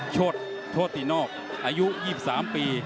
โชตินอกอายุ๒๓ปี